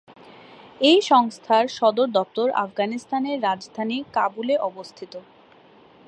এই সংস্থার সদর দপ্তর আফগানিস্তানের রাজধানী কাবুলে অবস্থিত।